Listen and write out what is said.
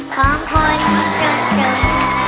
ของคนจนจน